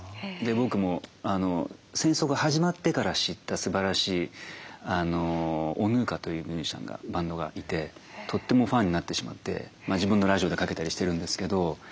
僕も戦争が始まってから知ったすばらしいＯＮＵＫＡというミュージシャンがバンドがいてとってもファンになってしまって自分のラジオでかけたりしてるんですけど。